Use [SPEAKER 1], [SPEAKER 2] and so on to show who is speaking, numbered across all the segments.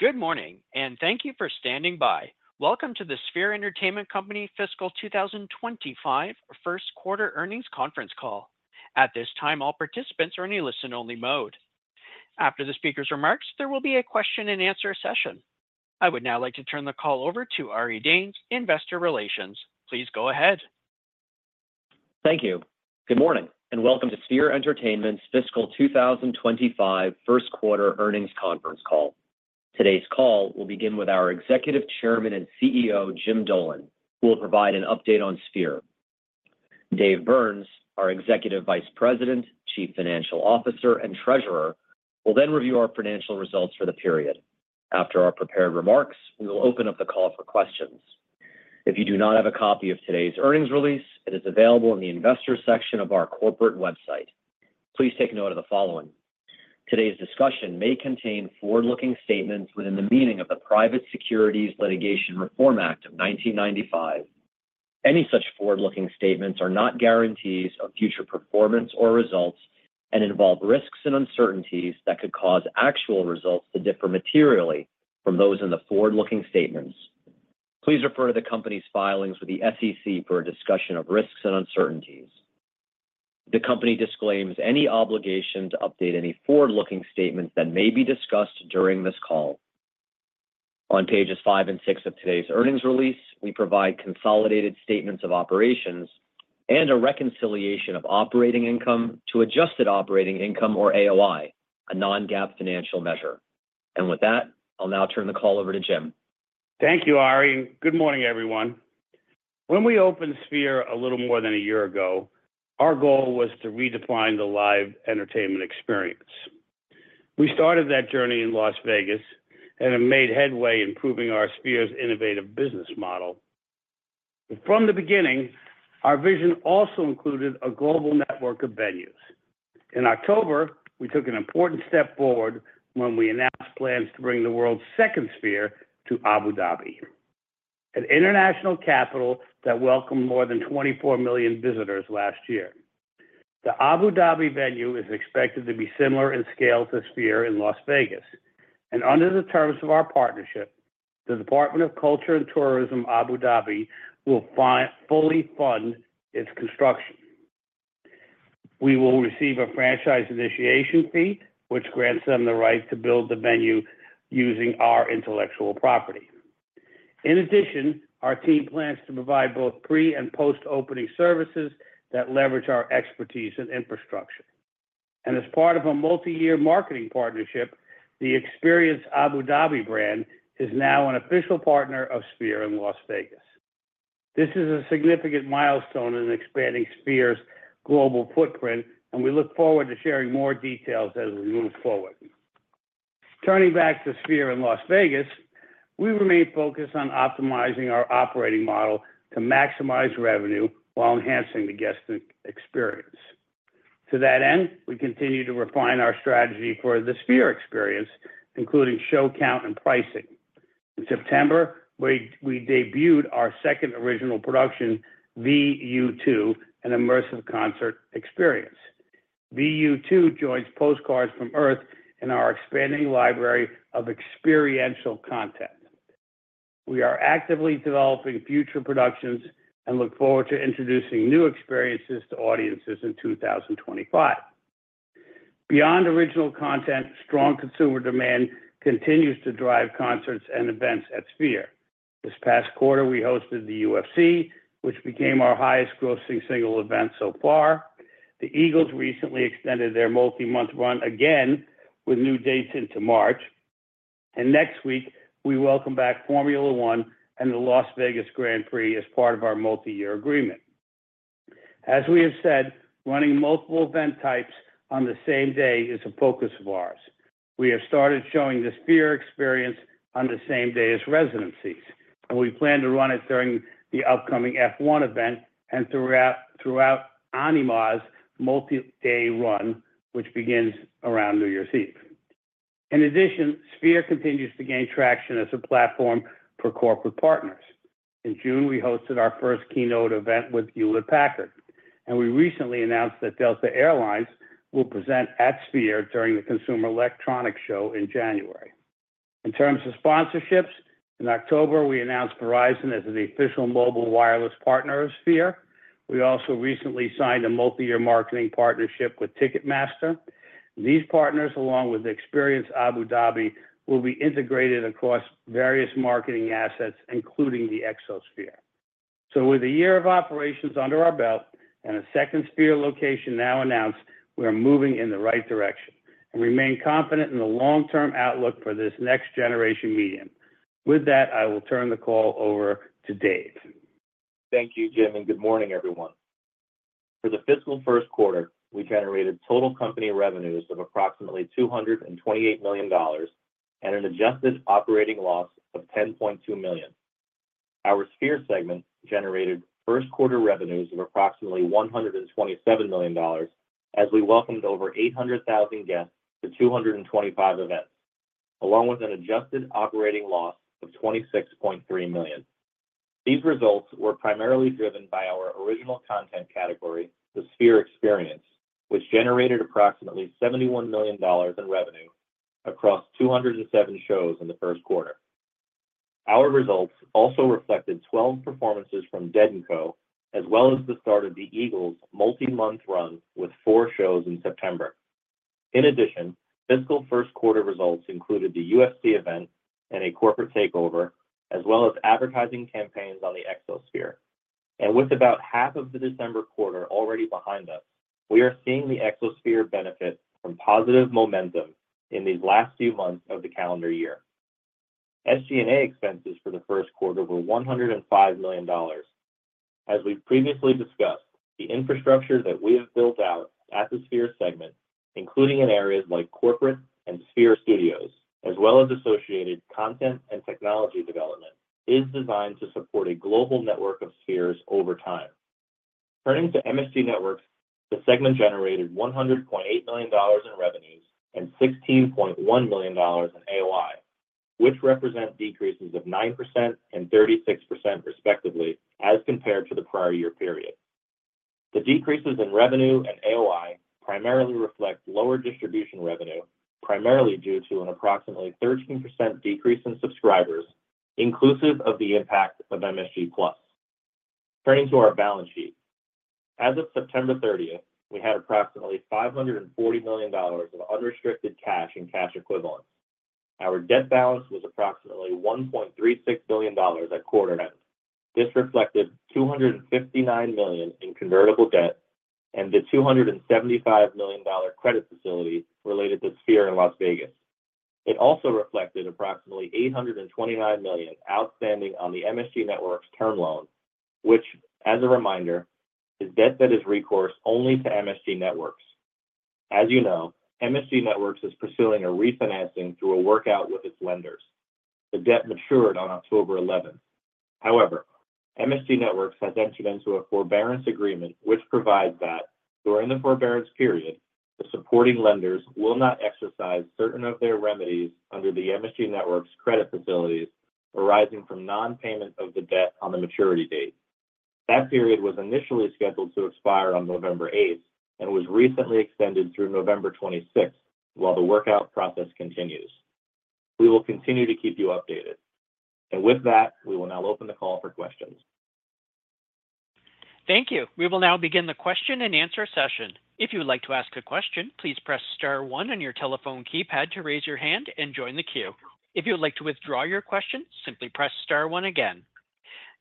[SPEAKER 1] Good morning, and thank you for standing by. Welcome to the Sphere Entertainment Company Fiscal 2025 First Quarter Earnings Conference Call. At this time, all participants are in a listen-only mode. After the speaker's remarks, there will be a question-and-answer session. I would now like to turn the call over to Ari Danes, Investor Relations. Please go ahead.
[SPEAKER 2] Thank you. Good morning, and welcome to Sphere Entertainment's Fiscal 2025 First Quarter Earnings Conference Call. Today's call will begin with our Executive Chairman and CEO, Jim Dolan, who will provide an update on Sphere. Dave Byrnes, our Executive Vice President, Chief Financial Officer, and Treasurer, will then review our financial results for the period. After our prepared remarks, we will open up the call for questions. If you do not have a copy of today's earnings release, it is available in the investor section of our corporate website. Please take note of the following: Today's discussion may contain forward-looking statements within the meaning of the Private Securities Litigation Reform Act of 1995. Any such forward-looking statements are not guarantees of future performance or results and involve risks and uncertainties that could cause actual results to differ materially from those in the forward-looking statements. Please refer to the company's filings with the SEC for a discussion of risks and uncertainties. The company disclaims any obligation to update any forward-looking statements that may be discussed during this call. On pages 5 and 6 of today's earnings release, we provide consolidated statements of operations and a reconciliation of operating income to adjusted operating income, or AOI, a non-GAAP financial measure. And with that, I'll now turn the call over to Jim.
[SPEAKER 3] Thank you, Ari, and good morning, everyone. When we opened Sphere a little more than a year ago, our goal was to redefine the live entertainment experience. We started that journey in Las Vegas and have made headway in proving our Sphere's innovative business model. From the beginning, our vision also included a global network of venues. In October, we took an important step forward when we announced plans to bring the world's second Sphere to Abu Dhabi, an international capital that welcomed more than 24 million visitors last year. The Abu Dhabi venue is expected to be similar in scale to Sphere in Las Vegas, and under the terms of our partnership, the Department of Culture and Tourism, Abu Dhabi, will fully fund its construction. We will receive a franchise initiation fee, which grants them the right to build the venue using our intellectual property. In addition, our team plans to provide both pre- and post-opening services that leverage our expertise and infrastructure. And as part of a multi-year marketing partnership, the Experience Abu Dhabi brand is now an official partner of Sphere in Las Vegas. This is a significant milestone in expanding Sphere's global footprint, and we look forward to sharing more details as we move forward. Turning back to Sphere in Las Vegas, we remain focused on optimizing our operating model to maximize revenue while enhancing the guest experience. To that end, we continue to refine our strategy for the Sphere Experience, including show count and pricing. In September, we debuted our second original production, V-U2, an immersive concert experience. V-U2 joins Postcards from Earth in our expanding library of experiential content. We are actively developing future productions and look forward to introducing new experiences to audiences in 2025. Beyond original content, strong consumer demand continues to drive concerts and events at Sphere. This past quarter, we hosted the UFC, which became our highest-grossing single event so far. The Eagles recently extended their multi-month run again with new dates into March, and next week, we welcome back Formula One and the Las Vegas Grand Prix as part of our multi-year agreement. As we have said, running multiple event types on the same day is a focus of ours. We have started showing the Sphere Experience on the same day as residencies, and we plan to run it during the upcoming F1 event and throughout Anyma's multi-day run, which begins around New Year's Eve. In addition, Sphere continues to gain traction as a platform for corporate partners. In June, we hosted our first keynote event with Hewlett-Packard, and we recently announced that Delta Air Lines will present at Sphere during the Consumer Electronics Show in January. In terms of sponsorships, in October, we announced Verizon as the official mobile wireless partner of Sphere. We also recently signed a multi-year marketing partnership with Ticketmaster. These partners, along with Experience Abu Dhabi, will be integrated across various marketing assets, including the Exosphere. So with a year of operations under our belt and a second Sphere location now announced, we are moving in the right direction and remain confident in the long-term outlook for this next-generation medium. With that, I will turn the call over to Dave.
[SPEAKER 4] Thank you, Jim, and good morning, everyone. For the fiscal first quarter, we generated total company revenues of approximately $228 million and an adjusted operating loss of $10.2 million. Our Sphere segment generated first-quarter revenues of approximately $127 million as we welcomed over 800,000 guests to 225 events, along with an adjusted operating loss of $26.3 million. These results were primarily driven by our original content category, the Sphere experience, which generated approximately $71 million in revenue across 207 shows in the first quarter. Our results also reflected 12 performances from Dead & Company, as well as the start of the Eagles' multi-month run with four shows in September. In addition, fiscal first quarter results included the UFC event and a corporate event, as well as advertising campaigns on the Exosphere. With about half of the December quarter already behind us, we are seeing the Exosphere benefit from positive momentum in these last few months of the calendar year. SG&A expenses for the first quarter were $105 million. As we've previously discussed, the infrastructure that we have built out at the Sphere segment, including in areas like corporate and Sphere Studios, as well as associated content and technology development, is designed to support a global network of Spheres over time. Turning to MSG Networks, the segment generated $100.8 million in revenues and $16.1 million in AOI, which represent decreases of 9% and 36%, respectively, as compared to the prior year period. The decreases in revenue and AOI primarily reflect lower distribution revenue, primarily due to an approximately 13% decrease in subscribers, inclusive of the impact of MSG+. Turning to our balance sheet, as of September 30th, we had approximately $540 million of unrestricted cash and cash equivalents. Our debt balance was approximately $1.36 billion at quarter end. This reflected $259 million in convertible debt and the $275 million credit facility related to Sphere in Las Vegas. It also reflected approximately $829 million outstanding on the MSG Networks term loan, which, as a reminder, is debt that is recourse only to MSG Networks. As you know, MSG Networks is pursuing a refinancing through a workout with its lenders. The debt matured on October 11th. However, MSG Networks has entered into a forbearance agreement, which provides that during the forbearance period, the supporting lenders will not exercise certain of their remedies under the MSG Networks credit facilities arising from non-payment of the debt on the maturity date. That period was initially scheduled to expire on November 8th and was recently extended through November 26th while the workout process continues. We will continue to keep you updated. And with that, we will now open the call for questions.
[SPEAKER 1] Thank you. We will now begin the question and answer session. If you'd like to ask a question, please press star one on your telephone keypad to raise your hand and join the queue. If you'd like to withdraw your question, simply press star one again.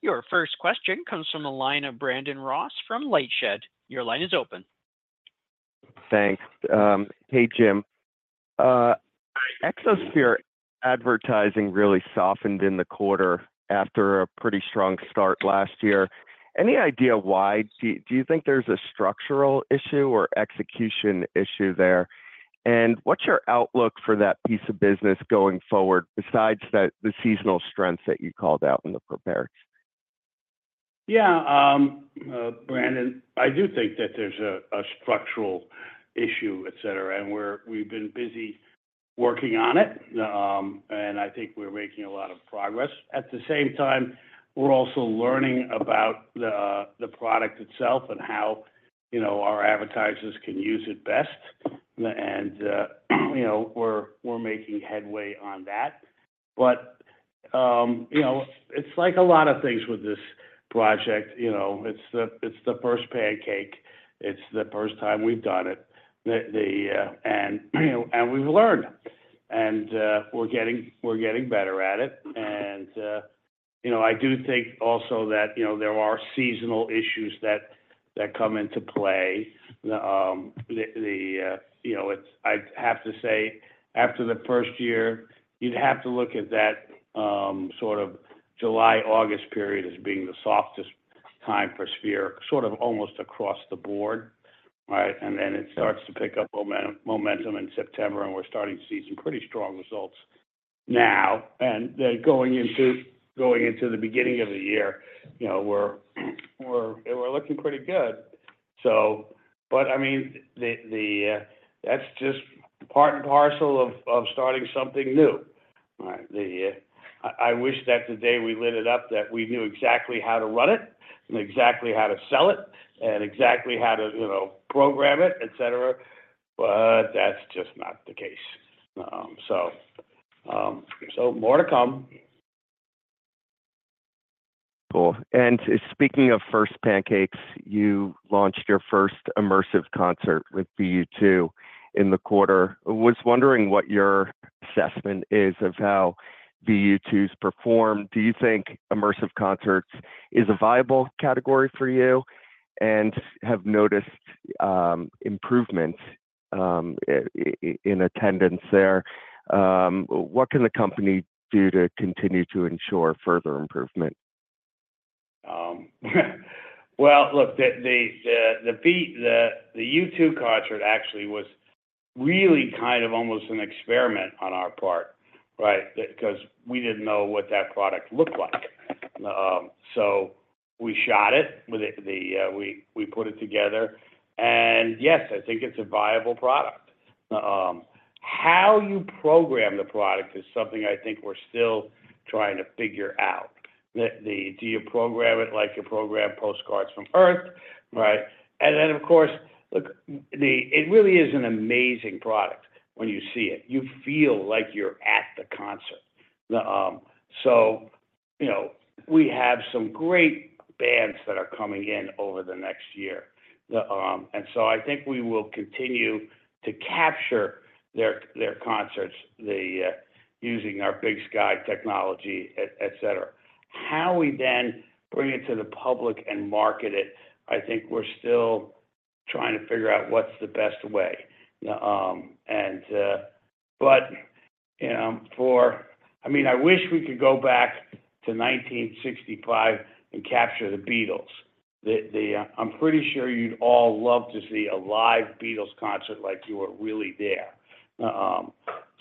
[SPEAKER 1] Your first question comes from the line of Brandon Ross from LightShed. Your line is open.
[SPEAKER 5] Thanks. Hey, Jim. Exosphere advertising really softened in the quarter after a pretty strong start last year. Any idea why? Do you think there's a structural issue or execution issue there? And what's your outlook for that piece of business going forward besides the seasonal strengths that you called out in the prepared?
[SPEAKER 3] Yeah, Brandon, I do think that there's a structural issue, et cetera, and we've been busy working on it. And I think we're making a lot of progress. At the same time, we're also learning about the product itself and how our advertisers can use it best. And we're making headway on that. But it's like a lot of things with this project. It's the first pancake. It's the first time we've done it. And we've learned. And we're getting better at it. And I do think also that there are seasonal issues that come into play. I have to say, after the first year, you'd have to look at that sort of July-August period as being the softest time for Sphere, sort of almost across the board. And then it starts to pick up momentum in September, and we're starting to see some pretty strong results now. Then going into the beginning of the year, we're looking pretty good. I mean, that's just part and parcel of starting something new. I wish that the day we lit it up that we knew exactly how to run it and exactly how to sell it and exactly how to program it, et cetera. That's just not the case. More to come.
[SPEAKER 5] Cool. And speaking of first pancakes, you launched your first immersive concert with V-U2 in the quarter. I was wondering what your assessment is of how V-U2's performed. Do you think immersive concerts is a viable category for you and have noticed improvements in attendance there? What can the company do to continue to ensure further improvement?
[SPEAKER 3] Look, the U2 concert actually was really kind of almost an experiment on our part because we didn't know what that product looked like, so we shot it, we put it together, and yes, I think it's a viable product. How you program the product is something I think we're still trying to figure out. Do you program it like you program Postcards from Earth, and then, of course, look, it really is an amazing product when you see it. You feel like you're at the concert, so we have some great bands that are coming in over the next year, and so I think we will continue to capture their concerts using our Big Sky technology, et cetera. How we then bring it to the public and market it, I think we're still trying to figure out what's the best way. But I mean, I wish we could go back to 1965 and capture The Beatles. I'm pretty sure you'd all love to see a live Beatles concert like you were really there.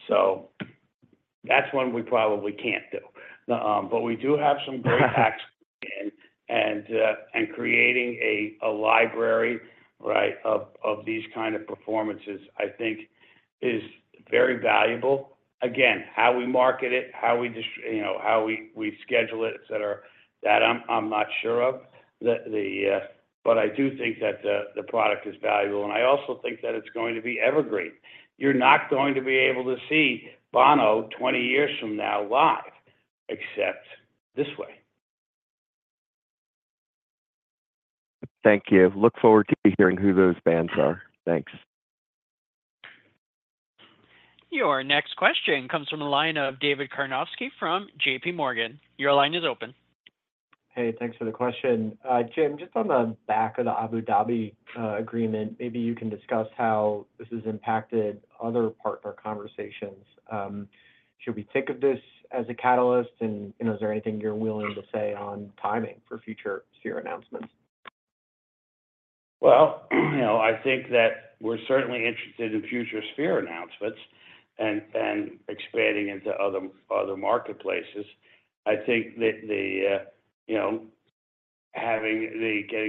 [SPEAKER 3] So that's one we probably can't do. But we do have some great acts coming in. And creating a library of these kind of performances, I think, is very valuable. Again, how we market it, how we schedule it, et cetera, et cetera, that I'm not sure of. But I do think that the product is valuable. And I also think that it's going to be evergreen. You're not going to be able to see Bono 20 years from now live, except this way.
[SPEAKER 5] Thank you. Look forward to hearing who those bands are. Thanks.
[SPEAKER 1] Your next question comes from the line of David Karnovsky from J.P. Morgan. Your line is open.
[SPEAKER 6] Hey, thanks for the question. Jim, just on the back of the Abu Dhabi agreement, maybe you can discuss how this has impacted other partner conversations. Should we think of this as a catalyst, and is there anything you're willing to say on timing for future Sphere announcements?
[SPEAKER 3] I think that we're certainly interested in future Sphere announcements and expanding into other marketplaces. I think that getting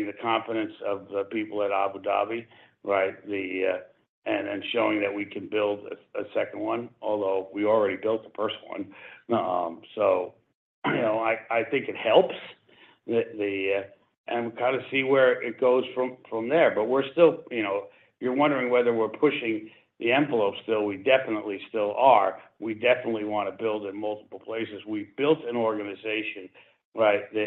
[SPEAKER 3] the confidence of the people at Abu Dhabi and then showing that we can build a second one, although we already built the first one. So I think it helps, and we'll kind of see where it goes from there. But we're still; you're wondering whether we're pushing the envelope still. We definitely still are. We definitely want to build in multiple places. We've built an organization that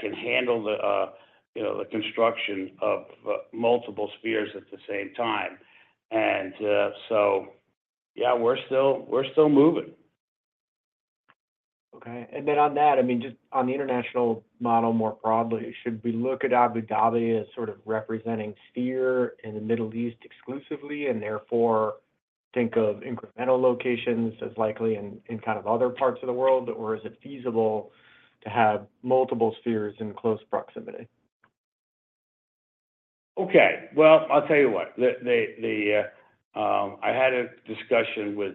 [SPEAKER 3] can handle the construction of multiple Spheres at the same time. And so, yeah, we're still moving.
[SPEAKER 6] Okay, and then on that, I mean, just on the international model more broadly, should we look at Abu Dhabi as sort of representing Sphere in the Middle East exclusively and therefore think of incremental locations as likely in kind of other parts of the world? Or is it feasible to have multiple Spheres in close proximity?
[SPEAKER 3] Okay. Well, I'll tell you what. I had a discussion with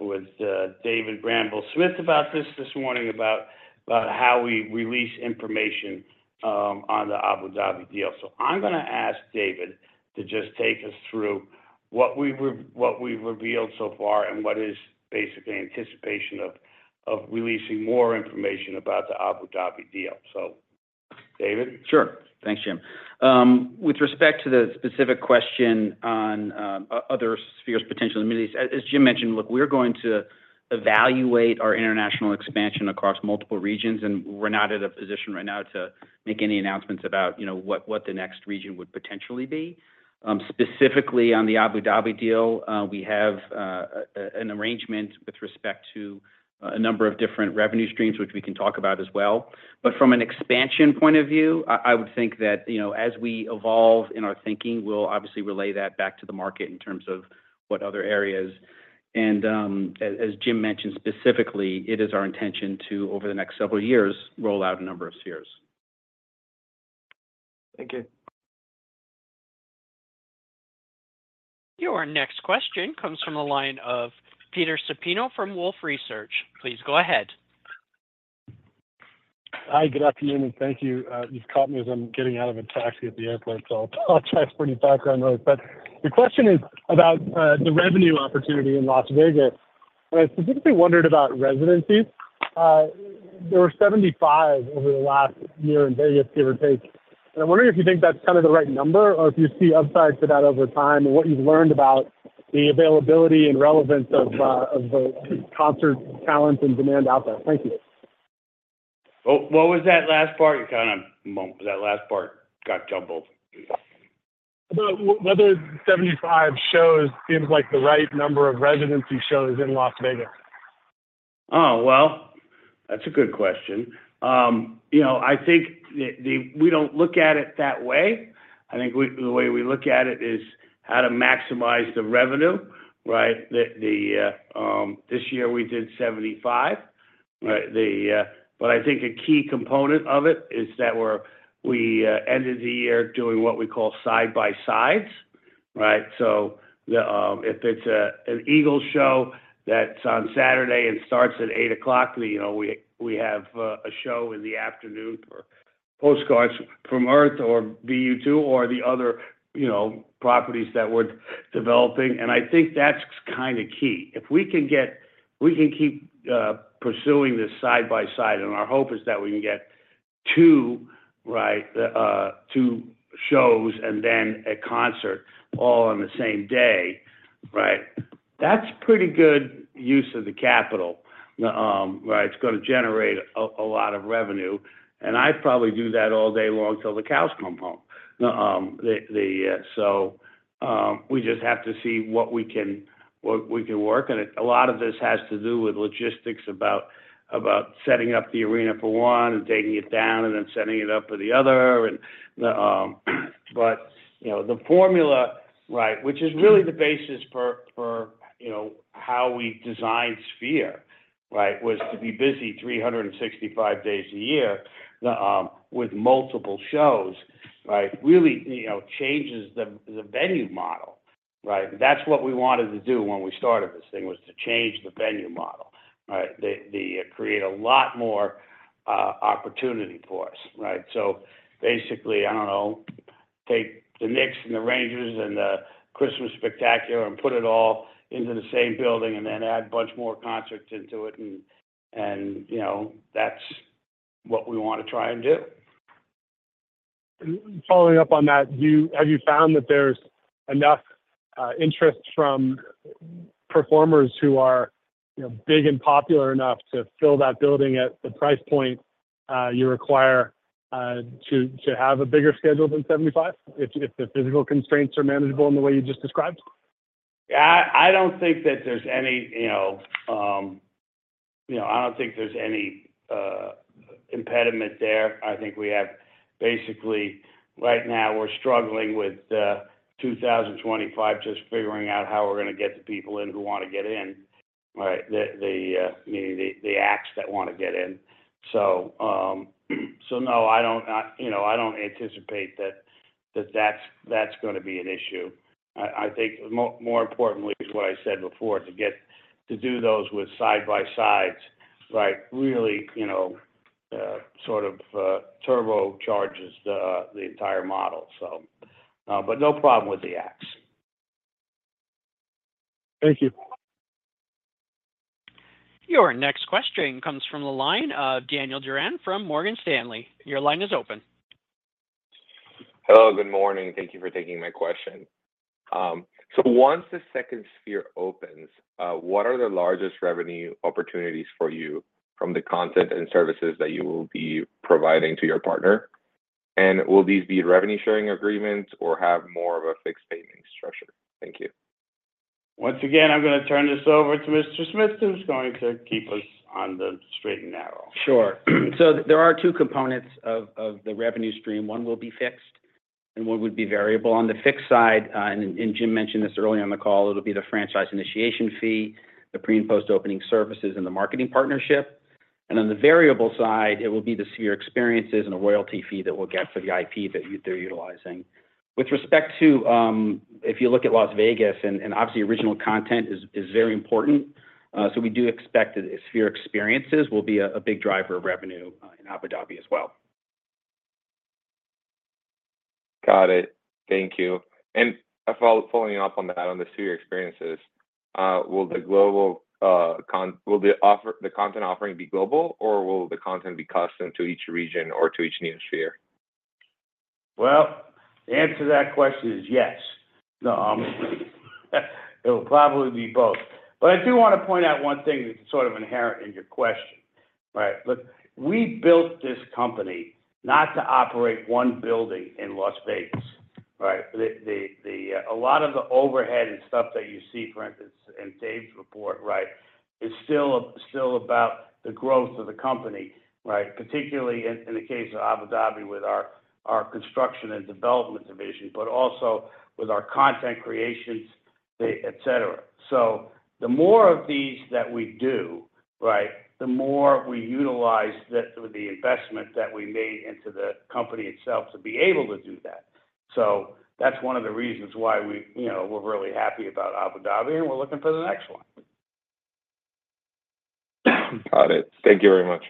[SPEAKER 3] David Byrnes about this this morning about how we release information on the Abu Dhabi deal. So I'm going to ask David to just take us through what we've revealed so far and what is basically anticipation of releasing more information about the Abu Dhabi deal. So, David?
[SPEAKER 4] Sure. Thanks, Jim. With respect to the specific question on other Spheres potential, as Jim mentioned, look, we're going to evaluate our international expansion across multiple regions. And we're not in a position right now to make any announcements about what the next region would potentially be. Specifically on the Abu Dhabi deal, we have an arrangement with respect to a number of different revenue streams, which we can talk about as well. But from an expansion point of view, I would think that as we evolve in our thinking, we'll obviously relay that back to the market in terms of what other areas. And as Jim mentioned, specifically, it is our intention to, over the next several years, roll out a number of Spheres.
[SPEAKER 6] Thank you.
[SPEAKER 1] Your next question comes from the line of Peter Supino from Wolfe Research. Please go ahead.
[SPEAKER 7] Hi, good afternoon, and thank you. You've caught me as I'm getting out of a taxi at the airport, so I apologize for any background noise. But the question is about the revenue opportunity in Las Vegas. And I specifically wondered about residencies. There were 75 over the last year in Vegas, give or take. And I'm wondering if you think that's kind of the right number or if you see upside to that over time and what you've learned about the availability and relevance of the concert talent and demand out there? Thank you.
[SPEAKER 3] What was that last part? You kind of, that last part got jumbled.
[SPEAKER 7] About whether 75 shows seems like the right number of residency shows in Las Vegas.
[SPEAKER 3] Oh, well, that's a good question. I think we don't look at it that way. I think the way we look at it is how to maximize the revenue. This year, we did 75. But I think a key component of it is that we ended the year doing what we call side-by-sides. So if it's an Eagles show that's on Saturday and starts at 8 o'clock, we have a show in the afternoon for Postcards from Earth or V-U2 or the other properties that we're developing. And I think that's kind of key. If we can keep pursuing this side-by-side, and our hope is that we can get two shows and then a concert all on the same day. That's pretty good use of the capital. It's going to generate a lot of revenue. And I'd probably do that all day long till the cows come home. So we just have to see what we can work. And a lot of this has to do with logistics about setting up the arena for one and taking it down and then setting it up for the other. But the formula, which is really the basis for how we designed Sphere, was to be busy 365 days a year with multiple shows, really changes the venue model. That's what we wanted to do when we started this thing, was to change the venue model, create a lot more opportunity for us. So basically, I don't know, take the Knicks and the Rangers and the Christmas Spectacular and put it all into the same building and then add a bunch more concerts into it. And that's what we want to try and do.
[SPEAKER 7] Following up on that, have you found that there's enough interest from performers who are big and popular enough to fill that building at the price point you require to have a bigger schedule than 75 if the physical constraints are manageable in the way you just described?
[SPEAKER 3] Yeah. I don't think there's any impediment there. I think we have basically right now, we're struggling with 2025, just figuring out how we're going to get the people in who want to get in, the acts that want to get in. So no, I don't anticipate that that's going to be an issue. I think more importantly, what I said before, to do those with side-by-sides really sort of turbocharges the entire model. But no problem with the acts.
[SPEAKER 7] Thank you.
[SPEAKER 1] Your next question comes from the line of Daniel Duran from Morgan Stanley. Your line is open.
[SPEAKER 8] Hello. Good morning. Thank you for taking my question. So once the second Sphere opens, what are the largest revenue opportunities for you from the content and services that you will be providing to your partner? And will these be revenue-sharing agreements or have more of a fixed-payment structure? Thank you.
[SPEAKER 3] Once again, I'm going to turn this over to Mr. Smith[David Byrnes], who's going to keep us on the straight and narrow.
[SPEAKER 4] Sure. So there are two components of the revenue stream. One will be fixed, and one would be variable. On the fixed side, and Jim mentioned this earlier on the call, it'll be the franchise initiation fee, the pre- and post-opening services, and the marketing partnership. And on the variable side, it will be the Sphere experiences and a royalty fee that we'll get for the IP that they're utilizing. With respect to if you look at Las Vegas, and obviously, original content is very important. So we do expect that Sphere experiences will be a big driver of revenue in Abu Dhabi as well.
[SPEAKER 8] Got it. Thank you. And following up on that, on the Sphere Experiences, will the content offering be global, or will the content be custom to each region or to each new Sphere?
[SPEAKER 3] The answer to that question is yes. It'll probably be both. But I do want to point out one thing that's sort of inherent in your question. Look, we built this company not to operate one building in Las Vegas. A lot of the overhead and stuff that you see, for instance, in Dave's report, is still about the growth of the company, particularly in the case of Abu Dhabi with our construction and development division, but also with our content creations, et cetera. So the more of these that we do, the more we utilize the investment that we made into the company itself to be able to do that. So that's one of the reasons why we're really happy about Abu Dhabi, and we're looking for the next one.
[SPEAKER 8] Got it. Thank you very much.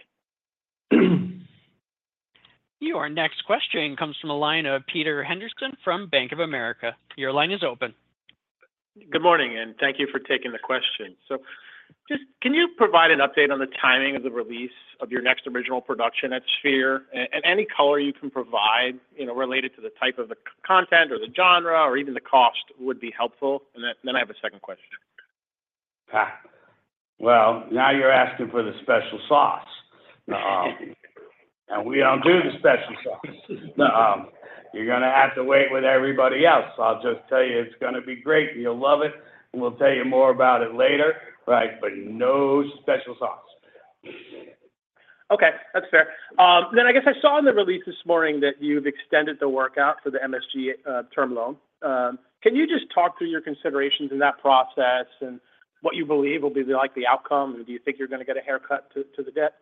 [SPEAKER 1] Your next question comes from the line of Peter Henderson from Bank of America. Your line is open.
[SPEAKER 9] Good morning, and thank you for taking the question. So can you provide an update on the timing of the release of your next original production at Sphere? And any color you can provide related to the type of the content or the genre or even the cost would be helpful. And then I have a second question.
[SPEAKER 3] Now you're asking for the special sauce. And we don't do the special sauce. You're going to have to wait with everybody else. I'll just tell you, it's going to be great. You'll love it. We'll tell you more about it later. But no special sauce.
[SPEAKER 9] Okay. That's fair. Then I guess I saw in the release this morning that you've extended the work out for the MSG term loan. Can you just talk through your considerations in that process and what you believe will be the likely outcome? And do you think you're going to get a haircut to the debt?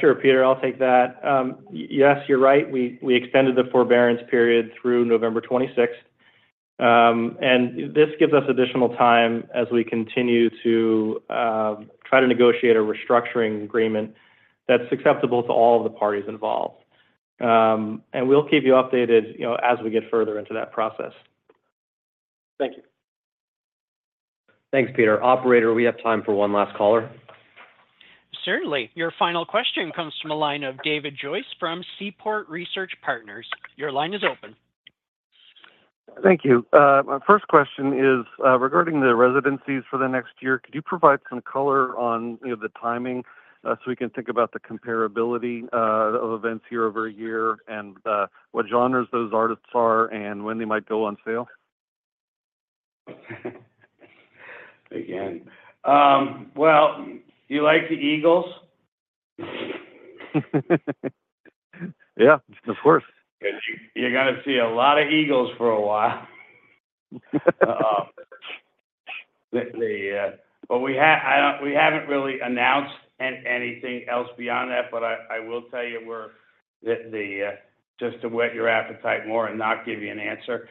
[SPEAKER 4] Sure, Peter. I'll take that. Yes, you're right. We extended the forbearance period through November 26th, and this gives us additional time as we continue to try to negotiate a restructuring agreement that's acceptable to all of the parties involved, and we'll keep you updated as we get further into that process.
[SPEAKER 9] Thank you.
[SPEAKER 4] Thanks, Peter. Operator, we have time for one last caller.
[SPEAKER 1] Certainly. Your final question comes from the line of David Joyce from Seaport Research Partners. Your line is open.
[SPEAKER 10] Thank you. My first question is regarding the residencies for the next year. Could you provide some color on the timing so we can think about the comparability of events year over year and what genres those artists are and when they might go on sale?
[SPEAKER 3] Again, well, you like the Eagles?
[SPEAKER 10] Yeah, of course.
[SPEAKER 3] You're going to see a lot of Eagles for a while, but we haven't really announced anything else beyond that. I will tell you, just to whet your appetite more and not give you an answer,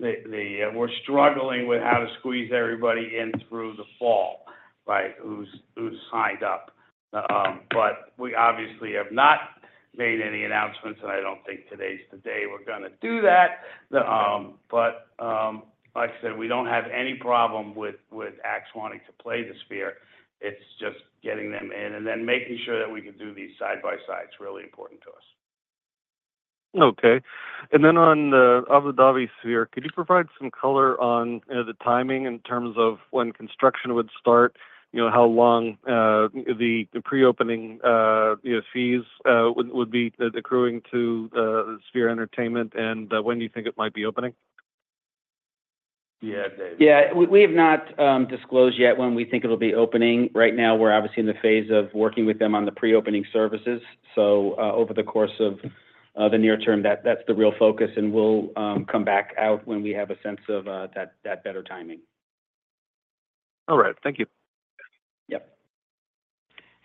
[SPEAKER 3] we're struggling with how to squeeze everybody in through the fall, who's signed up. We obviously have not made any announcements, and I don't think today's the day we're going to do that. Like I said, we don't have any problem with acts wanting to play the Sphere. It's just getting them in and then making sure that we can do these side-by-sides. It's really important to us.
[SPEAKER 10] Okay. And then on the Abu Dhabi Sphere, could you provide some color on the timing in terms of when construction would start, how long the pre-opening fees would be accruing to Sphere Entertainment, and when you think it might be opening?
[SPEAKER 3] Yeah, Dave.
[SPEAKER 4] Yeah. We have not disclosed yet when we think it'll be opening. Right now, we're obviously in the phase of working with them on the pre-opening services. So over the course of the near term, that's the real focus. And we'll come back out when we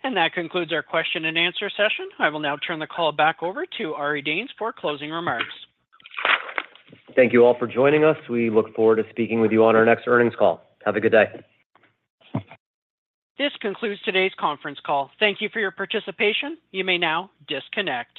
[SPEAKER 4] have a sense of that better timing.
[SPEAKER 7] All right. Thank you.
[SPEAKER 4] Yep.
[SPEAKER 1] That concludes our question and answer session. I will now turn the call back over to Ari Danes for closing remarks.
[SPEAKER 2] Thank you all for joining us. We look forward to speaking with you on our next earnings call. Have a good day.
[SPEAKER 1] This concludes today's conference call. Thank you for your participation. You may now disconnect.